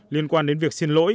liên quan đến việc xin lỗi